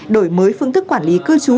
đổi mới phương thức quản lý cư trú